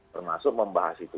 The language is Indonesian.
termasuk membahas itu